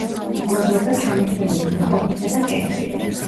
იკვებება ჩამოცვენილი ნაყოფითა და კენკრით.